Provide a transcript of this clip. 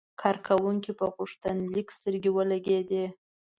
کارکونکي په غوښتنلیک سترګې ولګېدې.